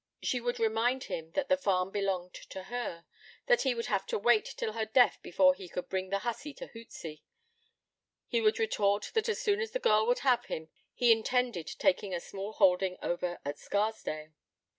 She would remind him that the farm belonged to her, that he would have to wait till her death before he could bring the hussy to Hootsey: he would retort that as soon as the girl would have him, he intended taking a small holding over at Scarsdale.